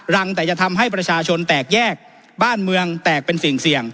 แต่จะทำให้ประชาชนแตกแยกบ้านเมืองแตกเป็นสิ่งเสี่ยง